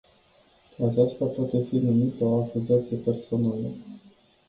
Aceasta poate fi numită o acuzație personală.